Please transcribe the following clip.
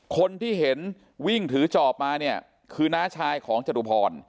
คนที่เห็นวิ่งถือจอบมาเนี่ยคือน้าชายของจตุพร